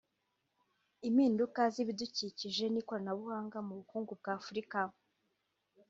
impinduka z’ibidukikije n’ikoranabuhanga mu bukungu bwa Afurika